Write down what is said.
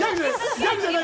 ギャグじゃない。